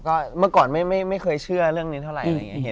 ก็เมื่อก่อนไม่เคยเชื่อเรื่องนี้เท่าไหร่